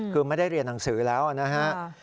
คือไม่ได้เรียนหนังสือแล้วนะฮะ